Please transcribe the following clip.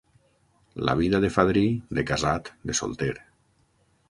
La vida de fadrí, de casat, de solter.